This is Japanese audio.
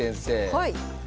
はい。